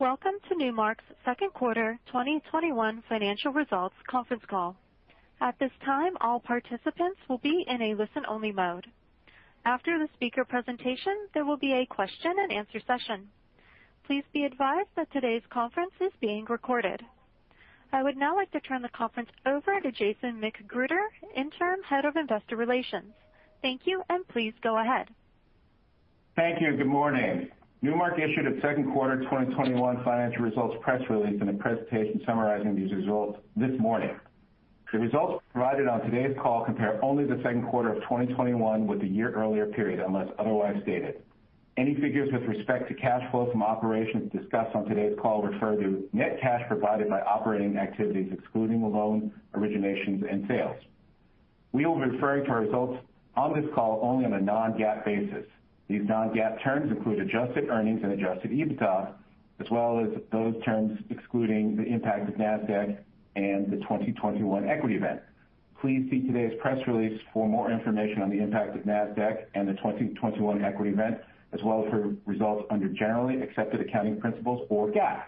Welcome to Newmark's Q2 2021 financial results conference call. At this time, all participants will be in a listen-only mode. After the speaker presentation, there will be a question and answer session. Please be advised that today's conference is being recorded. I would now like to turn the conference over to Jason McGruder, Interim Head of Investor Relations. Thank you, and please go ahead. Thank you, and good morning. Newmark issued its Q2 2021 financial results press release and a presentation summarizing these results this morning. The results provided on today's call compare only the Q2 of 2021 with the year earlier period, unless otherwise stated. Any figures with respect to cash flow from operations discussed on today's call refer to net cash provided by operating activities, excluding loan originations and sales. We will be referring to our results on this call only on a non-GAAP basis. These non-GAAP terms include adjusted earnings and adjusted EBITDA, as well as those terms excluding the impact of Nasdaq and the 2021 Equity Event. Please see today's press release for more information on the impact of Nasdaq and the 2021 Equity Event, as well as for results under generally accepted accounting principles or GAAP.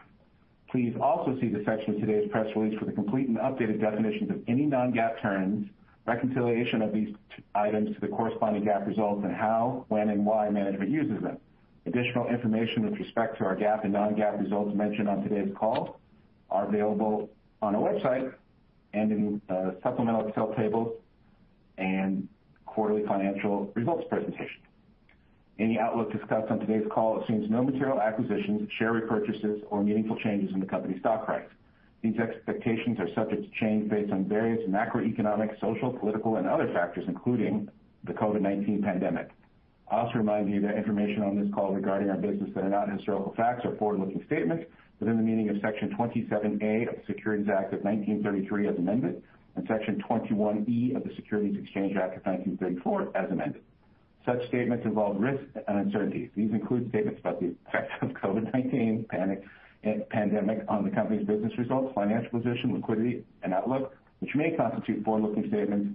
Please also see the section of today's press release for the complete and updated definitions of any non-GAAP terms, reconciliation of these items to the corresponding GAAP results, and how, when, and why management uses them. Additional information with respect to our GAAP and non-GAAP results mentioned on today's call are available on our website and in supplemental Excel tables and quarterly financial results presentation. Any outlook discussed on today's call assumes no material acquisitions, share repurchases, or meaningful changes in the company's stock price. These expectations are subject to change based on various macroeconomic, social, political, and other factors, including the COVID-19 pandemic. I also remind you that information on this call regarding our business that are not historical facts are forward-looking statements within the meaning of Section 27A of the Securities Act of 1933 as amended, and Section 21E of the Securities Exchange Act of 1934 as amended. Such statements involve risks and uncertainties. These include statements about the effects of COVID-19 pandemic on the company's business results, financial position, liquidity, and outlook, which may constitute forward-looking statements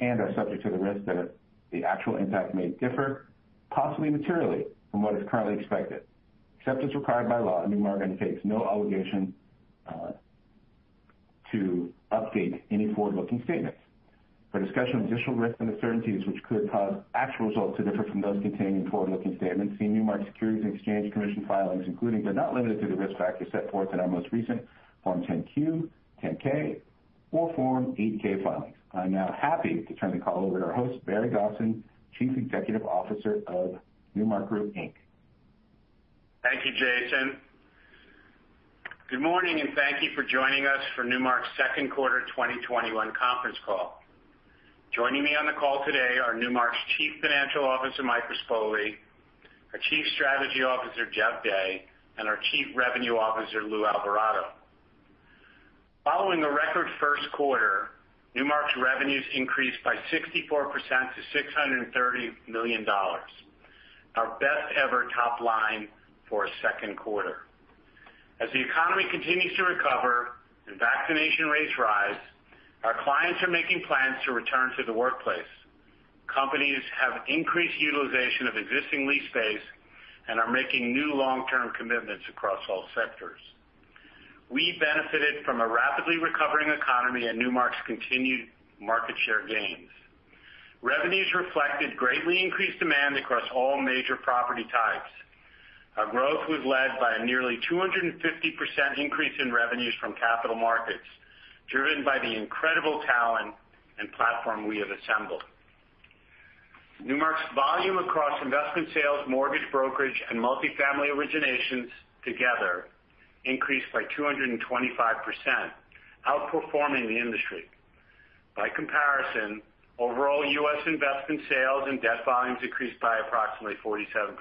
and are subject to the risk that the actual impact may differ, possibly materially, from what is currently expected. Except as required by law, Newmark undertakes no obligation to update any forward-looking statements. For discussion of additional risks and uncertainties which could cause actual results to differ from those contained in forward-looking statements, see Newmark Securities and Exchange Commission filings, including but not limited to the risk factors set forth in our most recent Form 10-Q, 10-K, or Form 8-K filings. I'm now happy to turn the call over to our host, Barry Gosin, Chief Executive Officer of Newmark Group, Inc. Thank you, Jason. Good morning, and thank you for joining us for Newmark's Q2 2021 conference call. Joining me on the call today are Newmark's Chief Financial Officer, Mike Rispoli, our Chief Strategy Officer, Jeff Day, and our Chief Revenue Officer, Luis Alvarado. Following a record first quarter, Newmark's revenues increased by 64% to $630 million. Our best ever top line for a Q2. As the economy continues to recover and vaccination rates rise, our clients are making plans to return to the workplace. Companies have increased utilization of existing lease space and are making new long-term commitments across all sectors. We benefited from a rapidly recovering economy and Newmark's continued market share gains. Revenues reflected greatly increased demand across all major property types. Our growth was led by a nearly 250% increase in revenues from capital markets, driven by the incredible talent and platform we have assembled. Newmark's volume across investment sales, mortgage brokerage, and multifamily originations together increased by 225%, outperforming the industry. By comparison, overall U.S. investment sales and debt volumes increased by approximately 47%.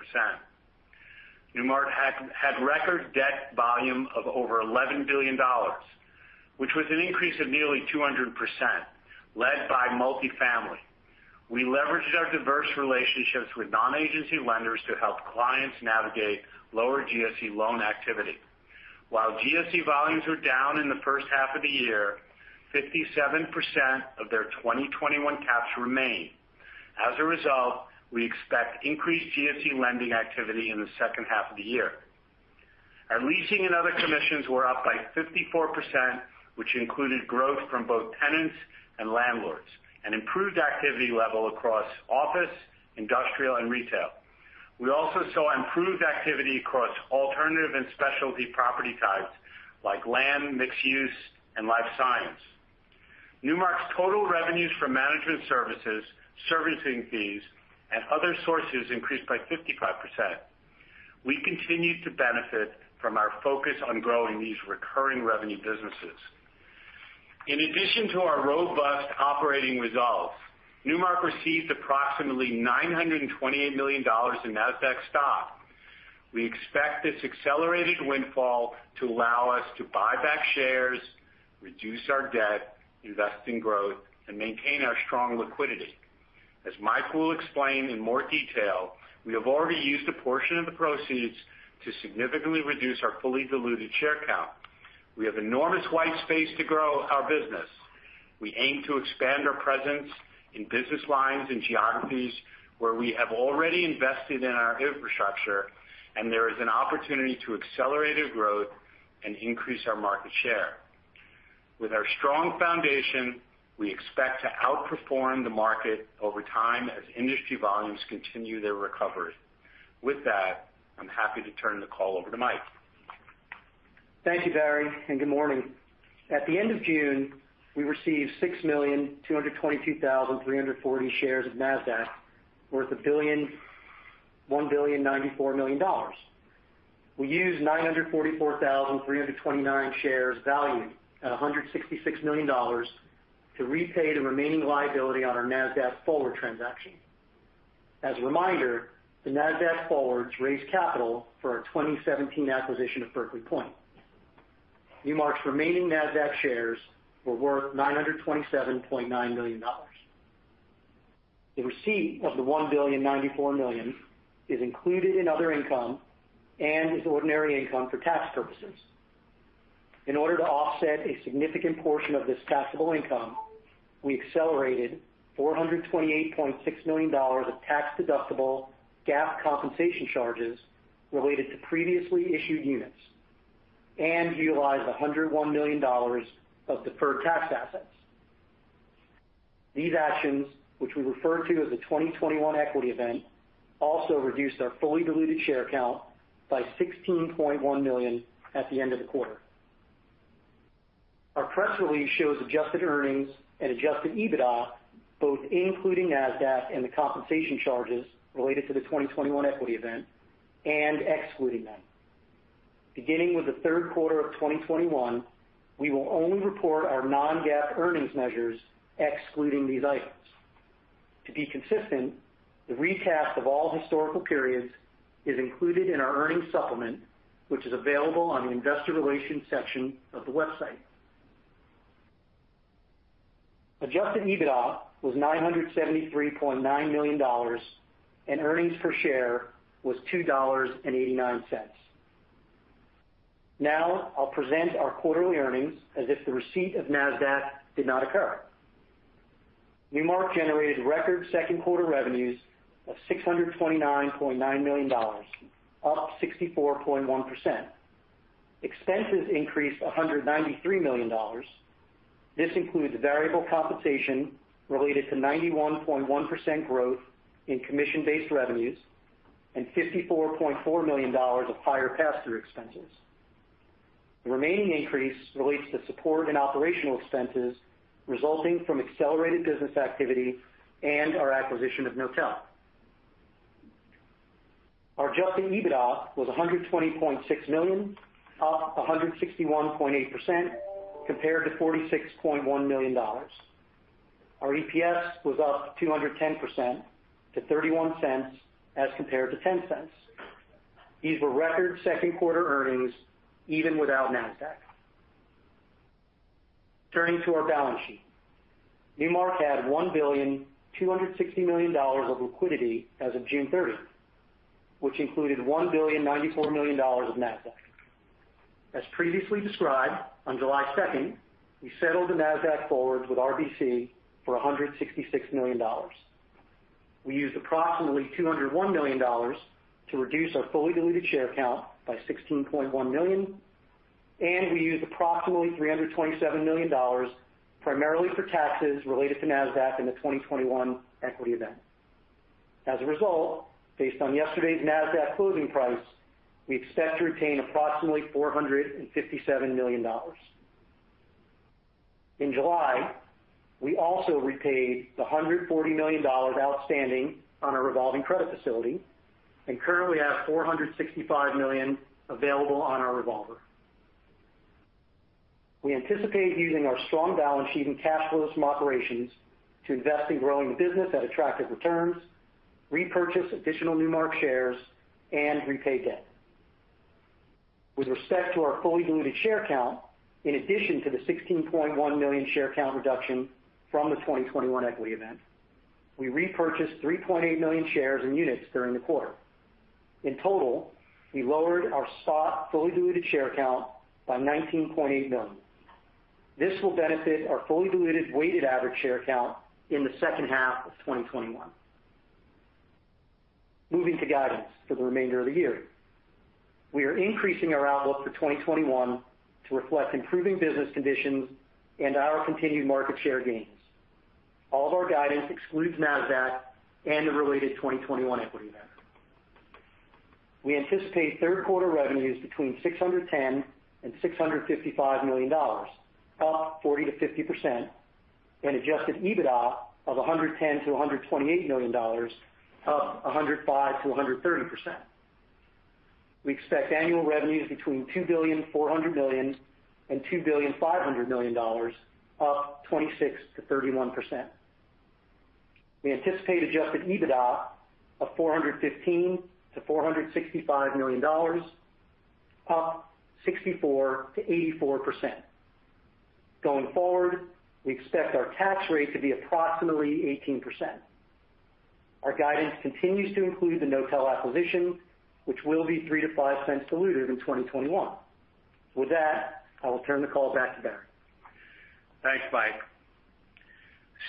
Newmark had record debt volume of over $11 billion, which was an increase of nearly 200%, led by multifamily. We leveraged our diverse relationships with non-agency lenders to help clients navigate lower GSE loan activity. While GSE volumes were down in the first half of the year, 57% of their 2021 caps remain. As a result, we expect increased GSE lending activity in the second half of the year. Our leasing and other commissions were up by 54%, which included growth from both tenants and landlords, and improved activity level across office, industrial, and retail. We also saw improved activity across alternative and specialty property types like land, mixed use, and life science. Newmark's total revenues from management services, servicing fees, and other sources increased by 55%. We continue to benefit from our focus on growing these recurring revenue businesses. In addition to our robust operating results, Newmark received approximately $928 million in Nasdaq stock. We expect this accelerated windfall to allow us to buy back shares, reduce our debt, invest in growth, and maintain our strong liquidity. As Mike will explain in more detail, we have already used a portion of the proceeds to significantly reduce our fully diluted share count. We have enormous white space to grow our business. We aim to expand our presence in business lines and geographies where we have already invested in our infrastructure, and there is an opportunity to accelerate our growth and increase our market share. With our strong foundation, we expect to outperform the market over time as industry volumes continue their recovery. With that, I'm happy to turn the call over to Mike. Thank you, Barry, and good morning. At the end of June, we received 6,222,340 shares of Nasdaq worth $1,094,000,000. We used 944,329 shares valued at $166 million to repay the remaining liability on our Nasdaq forward transaction. As a reminder, the Nasdaq forwards raised capital for our 2017 acquisition of Berkeley Point. Newmark's remaining Nasdaq shares were worth $927.9 million. The receipt of the $1,094,000,000 is included in other income and is ordinary income for tax purposes. In order to offset a significant portion of this taxable income, we accelerated $428.6 million of tax-deductible GAAP compensation charges related to previously issued units and utilized $101 million of deferred tax assets. These actions, which we refer to as the 2021 Equity Event, also reduced our fully diluted share count by 16.1 million at the end of the quarter. Our press release shows adjusted earnings and adjusted EBITDA, both including Nasdaq and the compensation charges related to the 2021 Equity Event, and excluding them. Beginning with the third quarter of 2021, we will only report our non-GAAP earnings measures excluding these items. To be consistent, the recast of all historical periods is included in our earnings supplement, which is available on the investor relations section of the website. Adjusted EBITDA was $973.9 million, and earnings per share was $2.89. Now, I'll present our quarterly earnings as if the receipt of Nasdaq did not occur. Newmark generated record second-quarter revenues of $629.9 million, up 64.1%. Expenses increased $193 million. This includes variable compensation related to 91.1% growth in commission-based revenues and $54.4 million of higher pass-through expenses. The remaining increase relates to support and operational expenses resulting from accelerated business activity and our acquisition of Knotel. Our adjusted EBITDA was $120.6 million, up 161.8%, compared to $46.1 million. Our EPS was up 210% to $0.31 as compared to $0.10. These were record second-quarter earnings even without Nasdaq. Turning to our balance sheet. Newmark had $1.26 billion of liquidity as of June 30, which included $1.094 billion of Nasdaq. As previously described, on July 2nd, we settled the Nasdaq forwards with RBC for $166 million. We used approximately $201 million to reduce our fully diluted share count by 16.1 million, and we used approximately $327 million, primarily for taxes related to Nasdaq in the 2021 Equity Event. As a result, based on yesterday's Nasdaq closing price, we expect to retain approximately $457 million. In July, we also repaid the $140 million outstanding on our revolving credit facility and currently have $465 million available on our revolver. We anticipate using our strong balance sheet and cash flow from operations to invest in growing the business at attractive returns, repurchase additional Newmark shares, and repay debt. With respect to our fully diluted share count, in addition to the $16.1 million share count reduction from the 2021 Equity Event, we repurchased $3.8 million shares in units during the quarter. In total, we lowered our stock fully diluted share count by $19.8 million. This will benefit our fully diluted weighted average share count in the second half of 2021. Moving to guidance for the remainder of the year. We are increasing our outlook for 2021 to reflect improving business conditions and our continued market share gains. All of our guidance excludes Nasdaq and the related 2021 Equity Event. We anticipate third-quarter revenues between $610 million-$655 million, up 40%-50%, and adjusted EBITDA of $110 million-$128 million, up 105%-130%. We expect annual revenues between $2.4 billion-$2.5 billion, up 26%-31%. We anticipate adjusted EBITDA of $415 million-$465 million, up 64%-84%. Going forward, we expect our tax rate to be approximately 18%. Our guidance continues to include the Knotel acquisition, which will be $0.03-$0.05 diluted in 2021. With that, I will turn the call back to Barry. Thanks, Mike.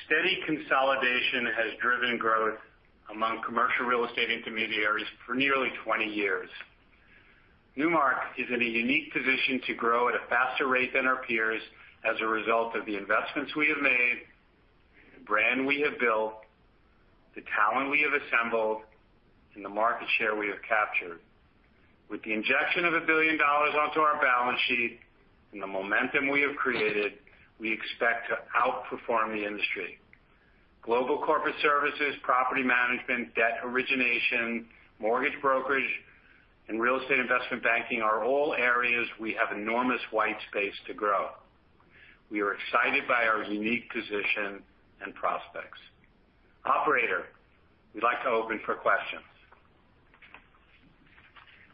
Steady consolidation has driven growth among commercial real estate intermediaries for nearly 20 years. Newmark is in a unique position to grow at a faster rate than our peers as a result of the investments we have made, the brand we have built, the talent we have assembled, and the market share we have captured. With the injection of $1 billion onto our balance sheet and the momentum we have created, we expect to outperform the industry. Global corporate services, property management, debt origination, mortgage brokerage, and real estate investment banking are all areas we have enormous white space to grow. We are excited by our unique position and prospects. Operator, we'd like to open for questions.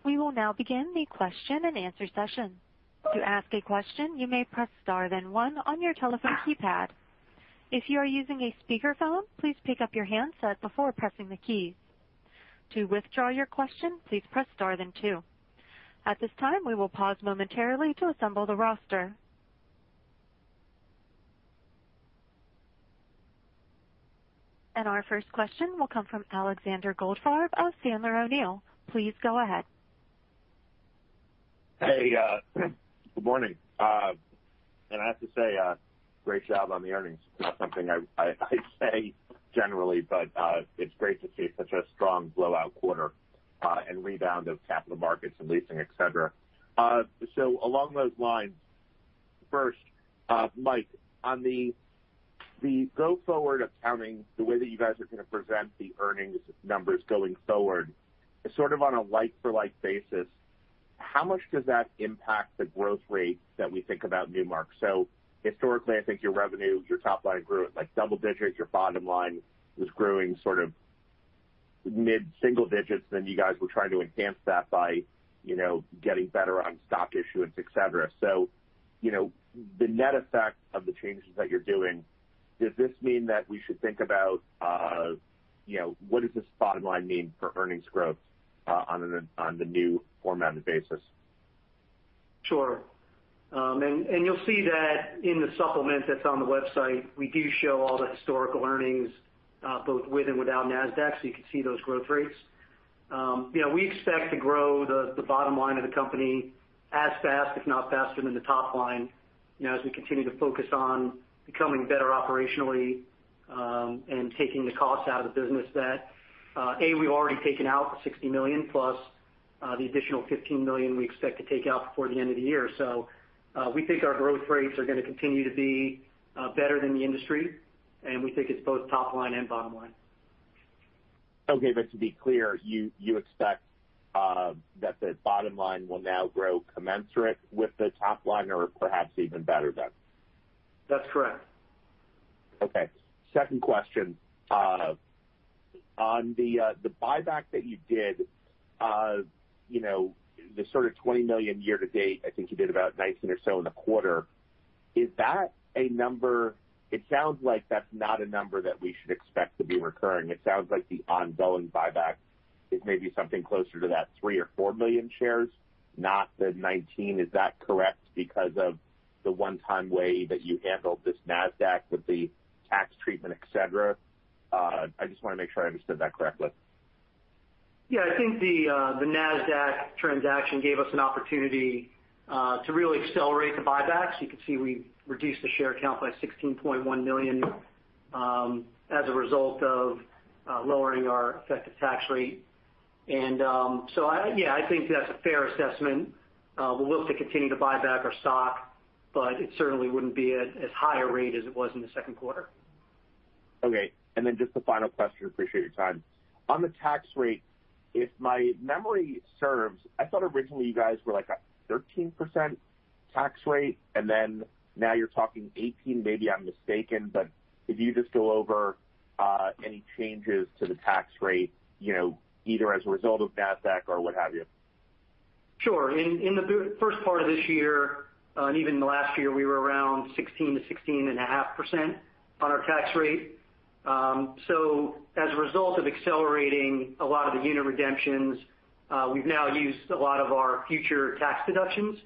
We will now begin the question and answer session. Our first question will come from Alexander Goldfarb of Sandler O'Neill. Please go ahead. Good morning. I have to say, great job on the earnings. Not something I say generally, it's great to see such a strong blowout quarter, and rebound of capital markets and leasing, et cetera. Along those lines, first, Mike, on the go forward accounting, the way that you guys are going to present the earnings numbers going forward is sort of on a like-for-like basis. How much does that impact the growth rate that we think about Newmark? Historically, I think your revenue, your top line grew at double-digits. Your bottom line was growing sort of mid-single-digits, you guys were trying to enhance that by getting better on stock issuance, et cetera. The net effect of the changes that you're doing, does this mean that we should think about what does this bottom line mean for earnings growth on the new formatted basis? Sure. You'll see that in the supplement that's on the website. We do show all the historical earnings both with and without Nasdaq, so you can see those growth rates. We expect to grow the bottom line of the company as fast, if not faster than the top line as we continue to focus on becoming better operationally, and taking the cost out of the business that, A, we've already taken out the $60 million plus the additional $15 million we expect to take out before the end of the year. We think our growth rates are going to continue to be better than the industry, and we think it's both top line and bottom line. Okay. To be clear, you expect that the bottom line will now grow commensurate with the top line or perhaps even better then? That's correct. Okay. Second question. On the buyback that you did, the sort of $20 million year to date, I think you did about 19 or so in the quarter. Is that a number. It sounds like that's not a number that we should expect to be recurring. It sounds like the ongoing buyback is maybe something closer to that 3 or 4 million shares, not the 19. Is that correct because of the one-time way that you handled this Nasdaq with the tax treatment, et cetera? I just want to make sure I understood that correctly. Yeah, I think the Nasdaq transaction gave us an opportunity to really accelerate the buyback. You can see we reduced the share count by 16.1 million as a result of lowering our effective tax rate. Yeah, I think that's a fair assessment. We'll look to continue to buy back our stock, but it certainly wouldn't be at as high a rate as it was in the Q2. Okay. Just the final question. Appreciate your time. On the tax rate, if my memory serves, I thought originally you guys were like a 13% tax rate, and then now you're talking 18%. Maybe I'm mistaken, but could you just go over any changes to the tax rate, either as a result of Nasdaq or what have you? Sure. In the first part of this year, and even last year, we were around 16%-16.5% on our tax rate. As a result of accelerating a lot of the unit redemptions, we've now used a lot of our future tax deductions.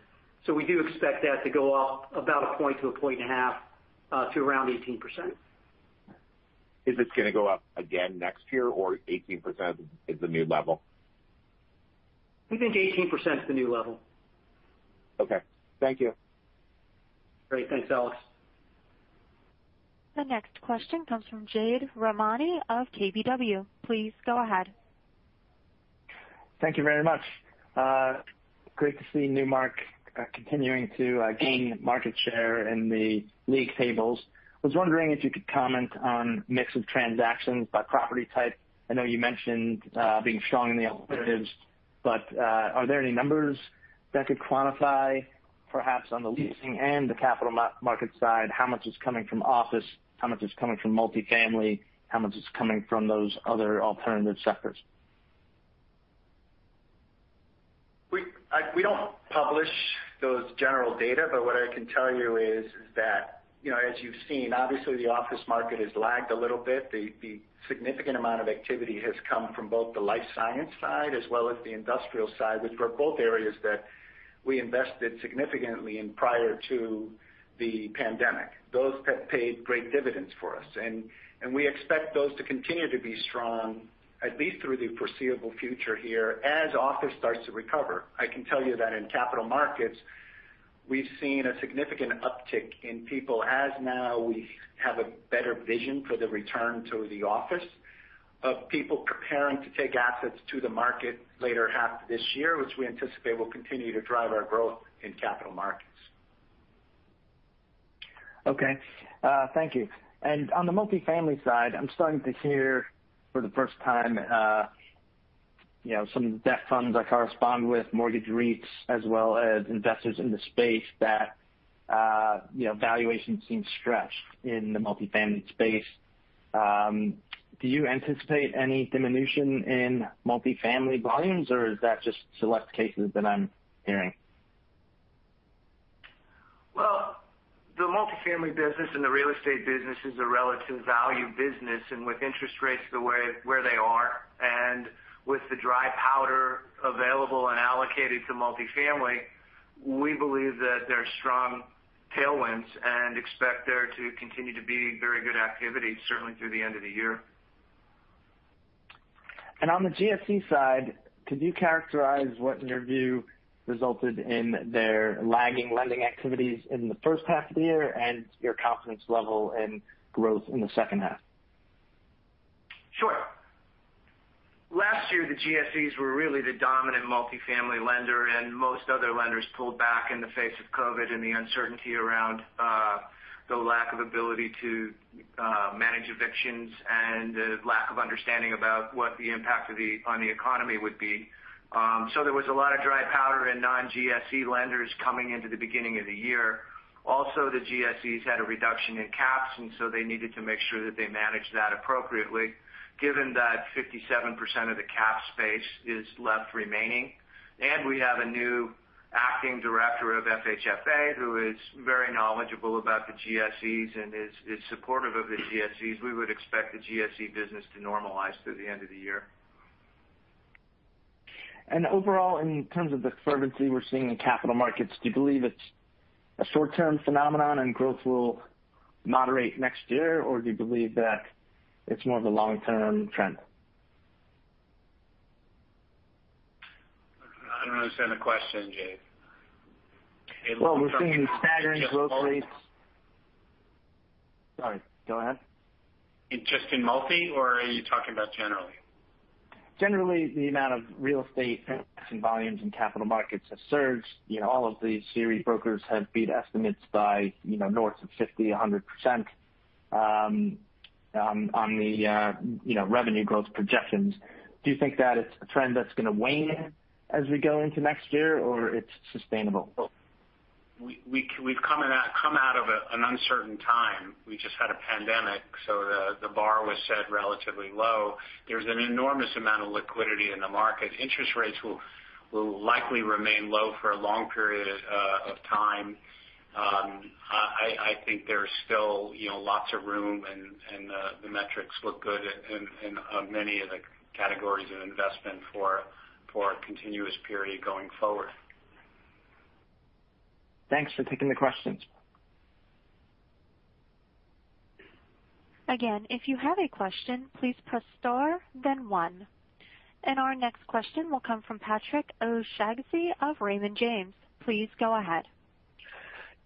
We do expect that to go up about 1 point to 1.5 points, to around 18%. Is this going to go up again next year, or 18% is the new level? We think 18% is the new level. Okay. Thank you. Great. Thanks, Alex. The next question comes from Jade Rahmani of KBW. Please go ahead. Thank you very much. Great to see Newmark continuing to gain market share in the league tables. I was wondering if you could comment on mix of transactions by property type. I know you mentioned being strong in the alternatives, but are there any numbers that could quantify perhaps on the leasing and the capital market side, how much is coming from office, how much is coming from multifamily, how much is coming from those other alternative sectors? We don't publish those general data, but what I can tell you is that, as you've seen, obviously the office market has lagged a little bit. The significant amount of activity has come from both the life science side as well as the industrial side, which were both areas that we invested significantly in prior to the pandemic. Those have paid great dividends for us, and we expect those to continue to be strong, at least through the foreseeable future here as office starts to recover. I can tell you that in capital markets, we've seen a significant uptick in people as now we have a better vision for the return to the office of people preparing to take assets to the market later half of this year, which we anticipate will continue to drive our growth in capital markets. Okay. Thank you. On the multifamily side, I'm starting to hear for the first time, some debt funds I correspond with mortgage REITs as well as investors in the space that valuations seem stretched in the multifamily space. Do you anticipate any diminution in multifamily volumes, or is that just select cases that I'm hearing? Well, the multifamily business and the real estate business is a relative value business, and with interest rates where they are and with the dry powder available and allocated to multifamily, we believe that there are strong tailwinds and expect there to continue to be very good activity, certainly through the end of the year. On the GSE side, could you characterize what, in your view, resulted in their lagging lending activities in the first half of the year and your confidence level in growth in the second half? Sure. Last year, the GSEs were really the dominant multifamily lender. Most other lenders pulled back in the face of COVID and the uncertainty around the lack of ability to manage evictions and the lack of understanding about what the impact on the economy would be. There was a lot of dry powder in non-GSE lenders coming into the beginning of the year. Also, the GSEs had a reduction in caps. They needed to make sure that they managed that appropriately given that 57% of the cap space is left remaining. We have a new acting director of FHFA who is very knowledgeable about the GSEs and is supportive of the GSEs. We would expect the GSE business to normalize through the end of the year. Overall, in terms of the fervency we're seeing in capital markets, do you believe it's a short-term phenomenon and growth will moderate next year, or do you believe that it's more of a long-term trend? I don't understand the question, Jake. Well, we're seeing patterns, growth rates. Sorry, go ahead. Just in multi, or are you talking about generally? Generally, the amount of real estate and volumes in capital markets has surged. All of the series brokers have beat estimates by north of 50%, 100% on the revenue growth projections. Do you think that it's a trend that's going to wane as we go into next year, or it's sustainable? We've come out of an uncertain time. We just had a pandemic, so the bar was set relatively low. There's an enormous amount of liquidity in the market. Interest rates will likely remain low for a long period of time. I think there's still lots of room, and the metrics look good in many of the categories of investment for a continuous period going forward. Thanks for taking the questions. Again, if you have a question, please press star then one. Our next question will come from Patrick O'Shaughnessy of Raymond James. Please go ahead.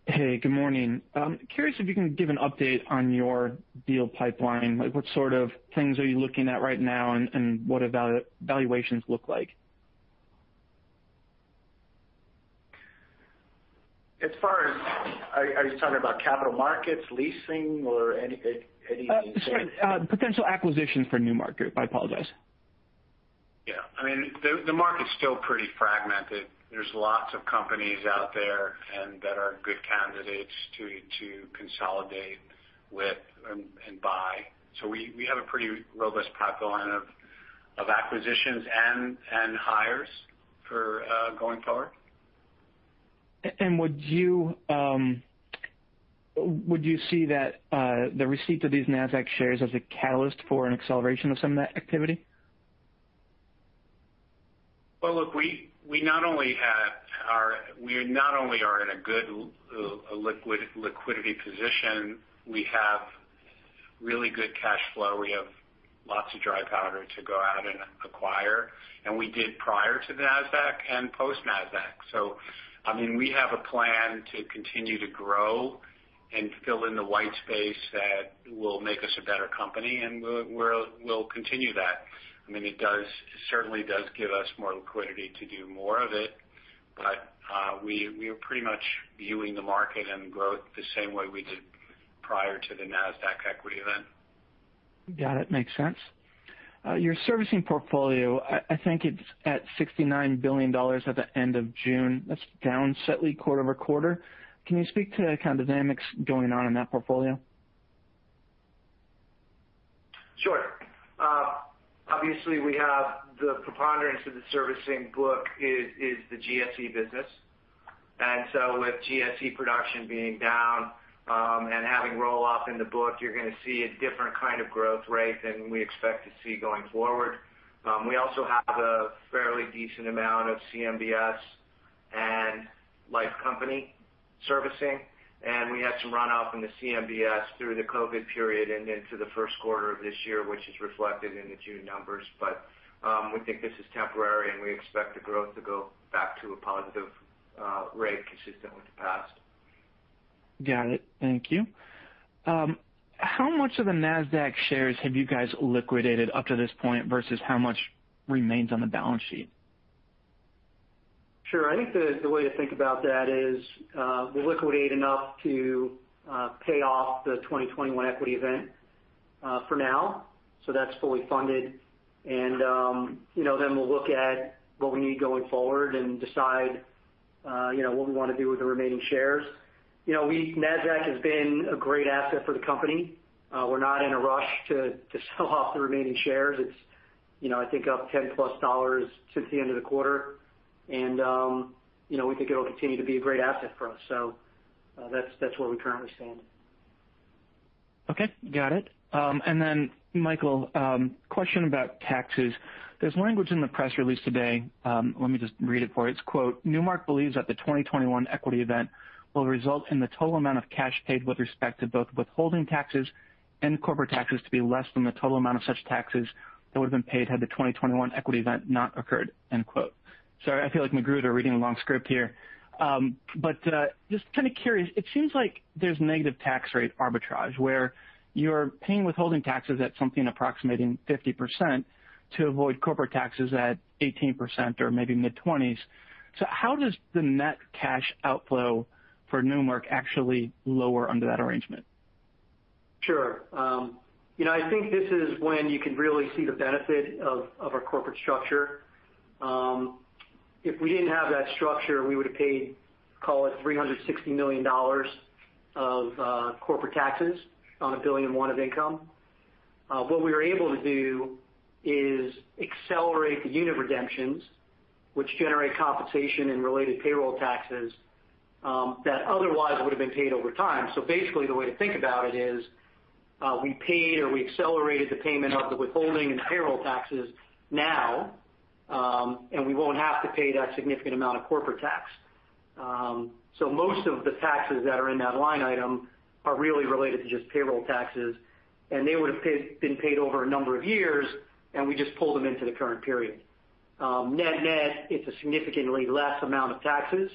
Hey, good morning. I'm curious if you can give an update on your deal pipeline. What sort of things are you looking at right now, and what do valuations look like? Are you talking about capital markets, leasing, or anything? Sorry. Potential acquisitions for Newmark Group. I apologize. Yeah. The market's still pretty fragmented. There's lots of companies out there and that are good candidates to consolidate with and buy. We have a pretty robust pipeline of acquisitions and hires for going forward. Would you see that the receipt of these Nasdaq shares as a catalyst for an acceleration of some of that activity? Well, look, we not only are in a good liquidity position, we have really good cash flow. We have lots of dry powder to go out and acquire, and we did prior to the Nasdaq and post-Nasdaq. We have a plan to continue to grow and fill in the white space that will make us a better company, and we'll continue that. It certainly does give us more liquidity to do more of it. We are pretty much viewing the market and growth the same way we did prior to the Nasdaq Equity Event. Got it. Makes sense. Your servicing portfolio, I think it's at $69 billion at the end of June. That's down slightly quarter-over-quarter. Can you speak to the kind of dynamics going on in that portfolio? Obviously, we have the preponderance of the servicing book is the GSE business. With GSE production being down and having roll-off in the book, you're going to see a different kind of growth rate than we expect to see going forward. We also have a fairly decent amount of CMBS and life company servicing, and we had some runoff in the CMBS through the COVID period and into the first quarter of this year, which is reflected in the June numbers. We think this is temporary, and we expect the growth to go back to a positive rate consistent with the past. Got it. Thank you. How much of the Nasdaq shares have you guys liquidated up to this point versus how much remains on the balance sheet? Sure. I think the way to think about that is we liquidate enough to pay off the 2021 Equity Event for now. That's fully funded. We'll look at what we need going forward and decide what we want to do with the remaining shares. Nasdaq has been a great asset for the company. We're not in a rush to sell off the remaining shares. It's I think up $10+ since the end of the quarter. We think it'll continue to be a great asset for us. That's where we currently stand. Okay. Got it. Michael, question about taxes. There's language in the press release today. Let me just read it for you. It's, quote, "Newmark believes that the 2021 Equity Event will result in the total amount of cash paid with respect to both withholding taxes and corporate taxes to be less than the total amount of such taxes that would have been paid had the 2021 Equity Event not occurred." End quote. Sorry, I feel like McGruder reading a long script here. Just kind of curious, it seems like there's negative tax rate arbitrage, where you're paying withholding taxes at something approximating 50% to avoid corporate taxes at 18% or maybe mid-20s. How does the net cash outflow for Newmark actually lower under that arrangement? Sure. I think this is when you can really see the benefit of our corporate structure. If we didn't have that structure, we would have paid, call it $360 million of corporate taxes on a billion, one of income. What we were able to do is accelerate the unit redemptions, which generate compensation and related payroll taxes that otherwise would have been paid over time. Basically, the way to think about it is we paid or we accelerated the payment of the withholding and payroll taxes now, and we won't have to pay that significant amount of corporate tax. Most of the taxes that are in that line item are really related to just payroll taxes, and they would have been paid over a number of years, and we just pulled them into the current period. Net-net, it's a significantly less amount of taxes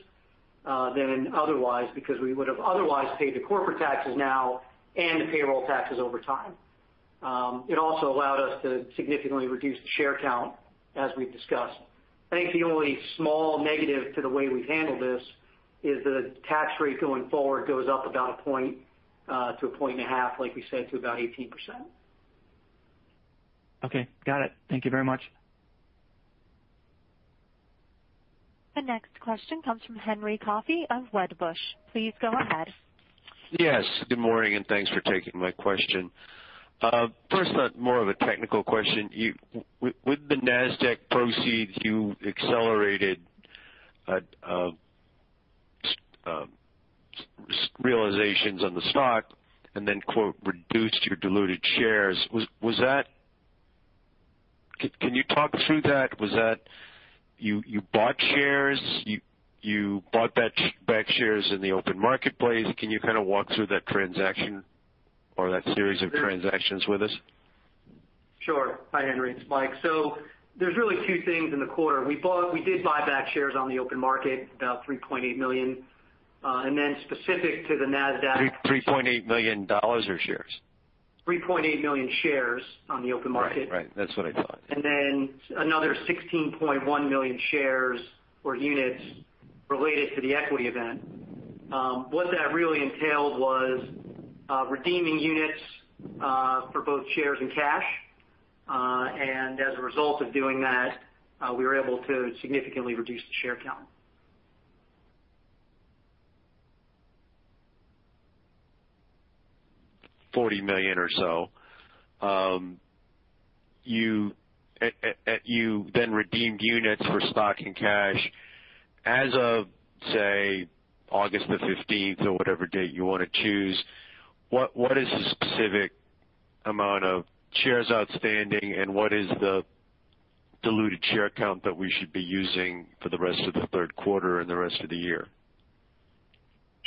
than otherwise because we would have otherwise paid the corporate taxes now and the payroll taxes over time. It also allowed us to significantly reduce the share count, as we've discussed. I think the only small negative to the way we've handled this is the tax rate going forward goes up about 1 point-1.5 points, like we said, to about 18%. Okay. Got it. Thank you very much. The next question comes from Henry Coffey of Wedbush. Please go ahead. Yes. Good morning, and thanks for taking my question. First, more of a technical question. With the Nasdaq proceeds, you accelerated realizations on the stock and then, quote, "reduced your diluted shares." Can you talk through that? You bought back shares in the open marketplace. Can you kind of walk through that transaction or that series of transactions with us? Sure. Hi, Henry. It's Mike. There's really two things in the quarter. We did buy back shares on the open market, about $3.8 million. Specific to the Nasdaq. $3.8 million or shares? 3.8 million shares on the open market. Right. That's what I thought. Another 16.1 million shares or units related to the equity event. What that really entailed was redeeming units for both shares and cash. As a result of doing that, we were able to significantly reduce the share count. $40 million or so. You redeemed units for stock and cash as of, say, August the 15th or whatever date you want to choose. What is the specific amount of shares outstanding and what is the diluted share count that we should be using for the rest of the third quarter and the rest of the year?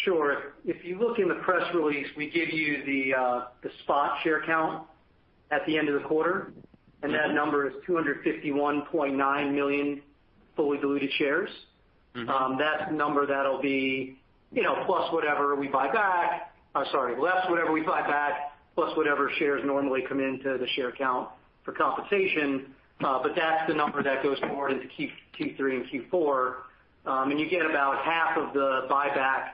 Sure. If you look in the press release, we give you the spot share count at the end of the quarter, and that number is 251.9 million fully diluted shares. That number that'll be plus whatever we buy back. Sorry, less whatever we buy back, plus whatever shares normally come into the share count for compensation. That's the number that goes forward into Q3 and Q4. You get about half of the buyback,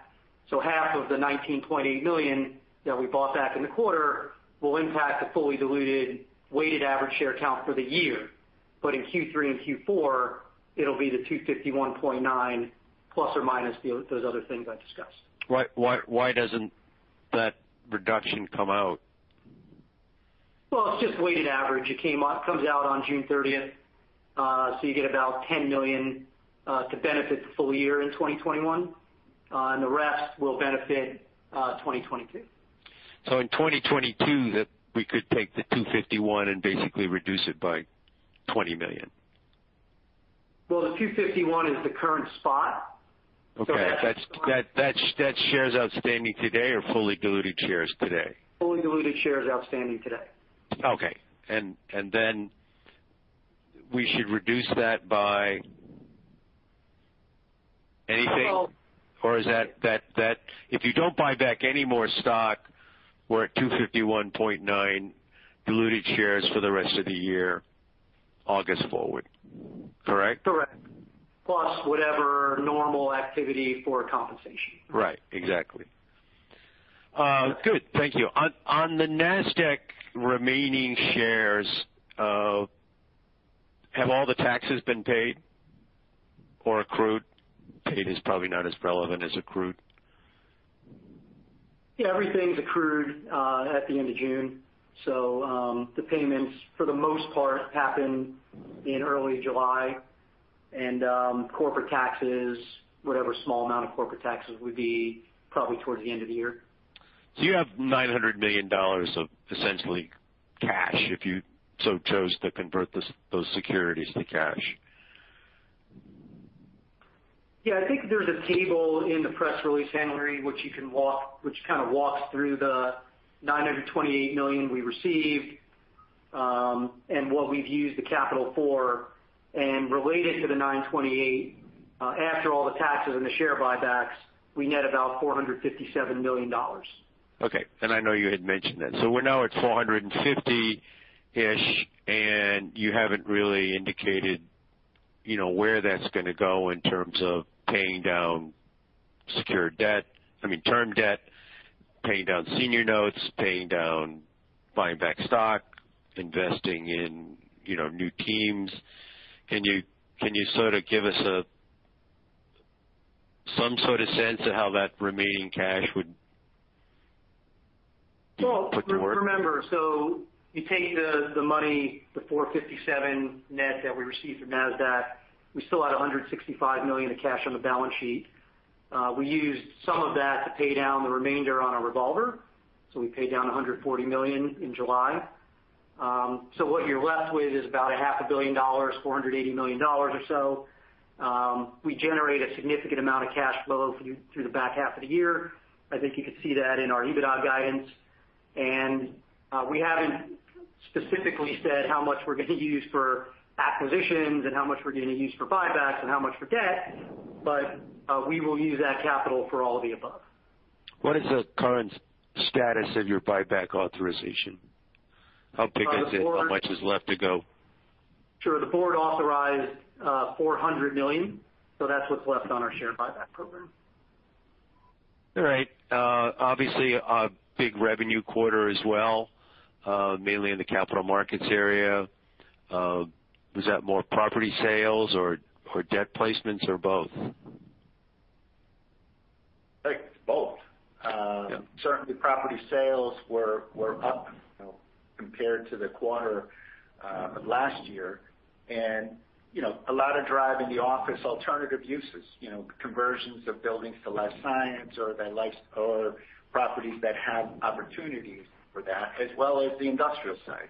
so half of the $19.8 million that we bought back in the quarter will impact the fully diluted weighted average share count for the year. In Q3 and Q4, it'll be the 251.9 ± those other things I discussed. Why doesn't that reduction come out? Well, it's just weighted average. It comes out on June 30th, so you get about $10 million to benefit the full year in 2021, and the rest will benefit 2022. In 2022, we could take the $251 and basically reduce it by $20 million. Well, the $251 is the current spot. Okay. That's shares outstanding today or fully diluted shares today? Fully diluted shares outstanding today. Okay. we should reduce that by anything- Well- If you don't buy back any more stock, we're at 251.9 diluted shares for the rest of the year, August forward. Correct? Correct. Plus whatever normal activity for compensation. Right. Exactly. Good, thank you. On the Nasdaq remaining shares, have all the taxes been paid or accrued? Paid is probably not as relevant as accrued. Yeah, everything's accrued, at the end of June. The payments, for the most part, happened in early July. Corporate taxes, whatever small amount of corporate taxes, would be probably towards the end of the year. You have $900 million of essentially cash, if you so chose to convert those securities to cash. Yeah, I think there's a table in the press release, Henry, which kind of walks through the $928 million we received, and what we've used the capital for. Related to the $928, after all the taxes and the share buybacks, we net about $457 million. I know you had mentioned that. We're now at $450-ish, and you haven't really indicated where that's going to go in terms of paying down secured debt, I mean term debt, paying down senior notes, paying down buying back stock, investing in new teams. Can you sort of give us some sort of sense of how that remaining cash would put to work? Well, remember, you take the money, the $457 net that we received from Nasdaq. We still had $165 million of cash on the balance sheet. We used some of that to pay down the remainder on a revolver. We paid down $140 million in July. What you're left with is about a half a billion dollars, $480 million or so. We generate a significant amount of cash flow through the back half of the year. I think you could see that in our EBITDA guidance. We haven't specifically said how much we're going to use for acquisitions and how much we're going to use for buybacks and how much for debt. We will use that capital for all of the above. What is the current status of your buyback authorization? How big is it? How much is left to go? Sure. The board authorized $400 million, so that's what's left on our share buyback program. All right. Obviously, a big revenue quarter as well, mainly in the capital markets area. Was that more property sales or debt placements or both? I think both. Yeah. Certainly, property sales were up compared to the quarter last year. A lot of drive in the office alternative uses, conversions of buildings to life science or properties that have opportunities for that, as well as the industrial side.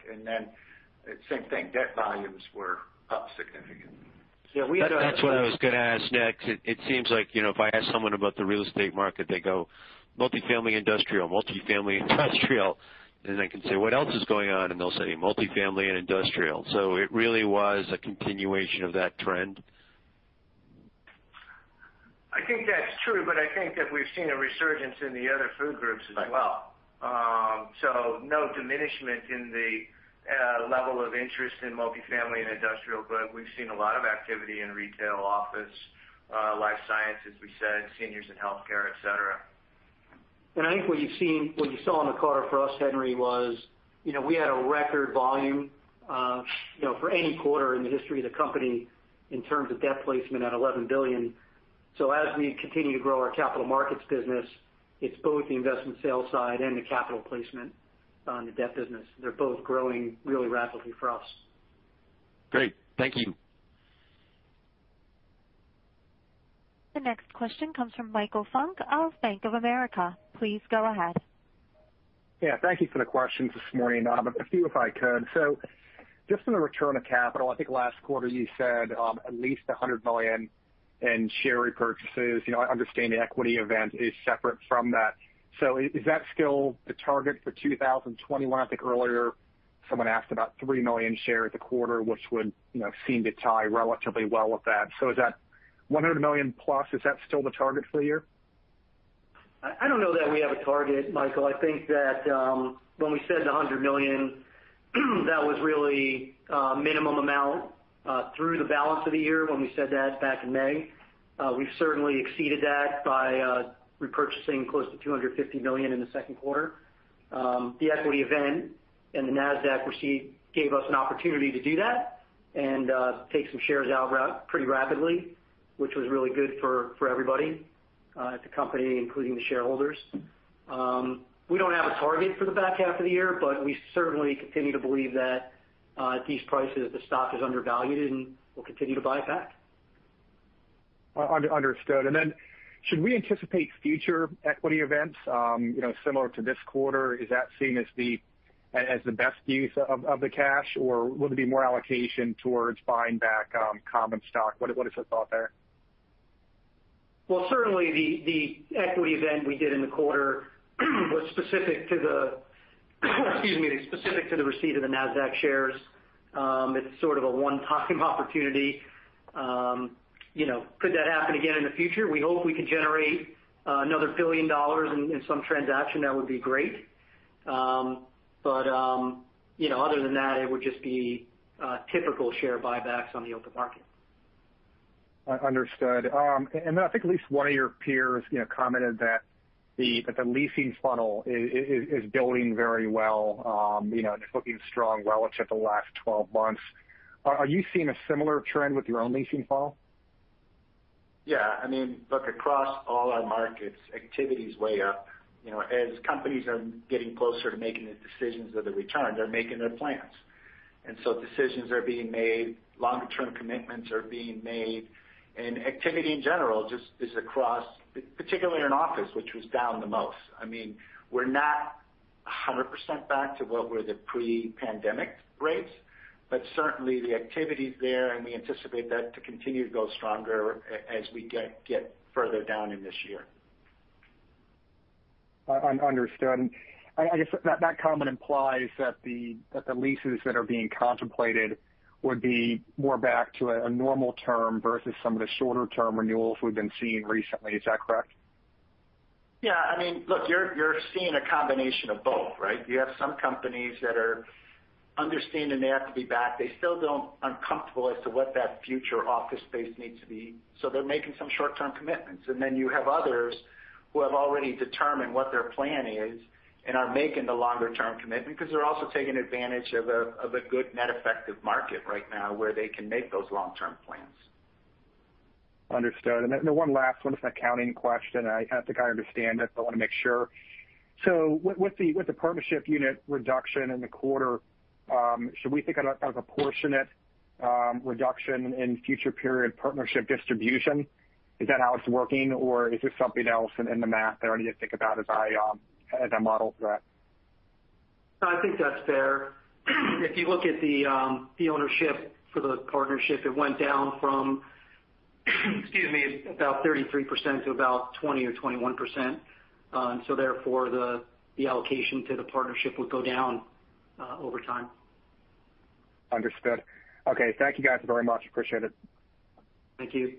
Same thing, debt volumes were up significantly. Yeah, we had a- That's what I was going to ask next. It seems like if I ask someone about the real estate market, they go, "Multifamily industrial, multifamily industrial." I can say, "What else is going on?" They'll say, "Multifamily and industrial." It really was a continuation of that trend. I think that's true. I think that we've seen a resurgence in the other food groups as well. No diminishment in the level of interest in multifamily and industrial. We've seen a lot of activity in retail, office, life science, as we said, seniors and healthcare, et cetera. I think what you saw in the quarter for us, Henry, was we had a record volume for any quarter in the history of the company in terms of debt placement at $11 billion. As we continue to grow our capital markets business, it's both the investment sales side and the capital placement on the debt business. They're both growing really rapidly for us. Great. Thank you. The next question comes from Michael Funk of Bank of America. Please go ahead. Yeah. Thank you for the questions this morning. A few if I could. Just on the return of capital, I think last quarter you said at least $100 million in share repurchases. I understand the Equity Event is separate from that. Is that still the target for 2021? I think earlier someone asked about 3 million shares a quarter, which would seem to tie relatively well with that. Is that $100 million plus, is that still the target for the year? I don't know that we have a target, Michael. I think that when we said the $100 million, that was really a minimum amount through the balance of the year when we said that back in May. We've certainly exceeded that by repurchasing close to $250 million in the Q2. The Equity Event and the Nasdaq receipt gave us an opportunity to do that and take some shares out pretty rapidly, which was really good for everybody at the company, including the shareholders. We don't have a target for the back half of the year, we certainly continue to believe that at these prices, the stock is undervalued and we'll continue to buy back. Understood. Should we anticipate future equity events similar to this quarter? Is that seen as the best use of the cash, or will it be more allocation towards buying back common stock? What is the thought there? Well, certainly the Equity Event we did in the quarter was specific to the receipt of the Nasdaq shares. It's sort of a one-time opportunity. Could that happen again in the future? We hope we can generate another $1 billion in some transaction. That would be great. Other than that, it would just be typical share buybacks on the open market. Understood. I think at least one of your peers commented that the leasing funnel is building very well and it's looking strong relative to the last 12 months. Are you seeing a similar trend with your own leasing funnel? Yeah. Look, across all our markets, activity's way up. As companies are getting closer to making the decisions of the return, they're making their plans. Decisions are being made, longer-term commitments are being made, and activity in general just is across, particularly in office, which was down the most. We're not 100% back to what were the pre-pandemic rates, but certainly the activity's there, and we anticipate that to continue to go stronger as we get further down in this year. Understood. I guess that comment implies that the leases that are being contemplated would be more back to a normal term versus some of the shorter term renewals we've been seeing recently. Is that correct? Yeah. Look, you're seeing a combination of both, right? You have some companies that are understanding they have to be back. They still uncomfortable as to what that future office space needs to be. They're making some short-term commitments. You have others who have already determined what their plan is and are making the longer term commitment because they're also taking advantage of a good net effective market right now where they can make those long-term plans. Understood. One last one. It's an accounting question. I think I understand it, but I want to make sure. With the partnership unit reduction in the quarter, should we think about a proportionate reduction in future period partnership distribution? Is that how it's working, or is there something else in the math that I need to think about as I model through that? No, I think that's fair. If you look at the ownership for the partnership, it went down from about 33% to about 20 or 21%. Therefore, the allocation to the partnership would go down over time. Understood. Okay. Thank you guys very much. Appreciate it. Thank you.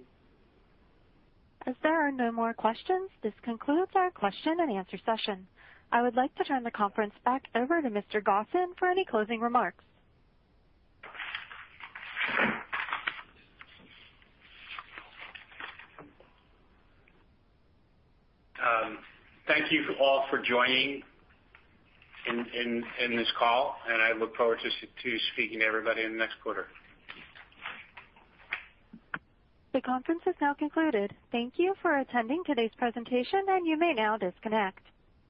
As there are no more questions, this concludes our question and answer session. I would like to turn the conference back over to Mr. Gosin for any closing remarks. Thank you all for joining in this call, and I look forward to speaking to everybody in the next quarter. The conference is now concluded. Thank you for attending today's presentation, and you may now disconnect.